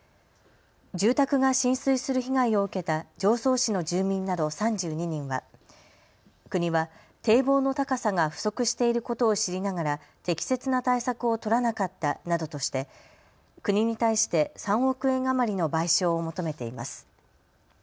住宅が浸水する被害を受けた常総市の住民など３２人は国は堤防の高さが不足していることを知りながら適切な対策を取らなかったなどとして国に対して３億円余りの賠償を求めています。